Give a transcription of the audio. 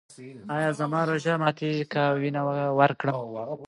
ایا زما روژه ماتیږي که وینه ورکړم؟